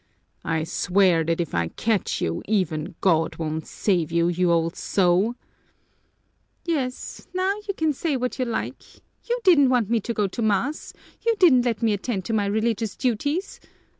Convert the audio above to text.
"I swear that if I catch you, even God won't save you, you old sow!" "Yes, now you can say what you like. You didn't want me to go to mass! You didn't let me attend to my religious duties!"